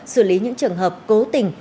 xử lý những trường hợp cố tình